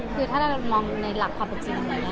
คือถ้าเรามองในหลักความเป็นจริง